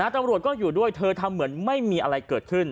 ตำรวจก็อยู่ด้วยเธอทำเหมือนไม่มีอะไรเกิดขึ้น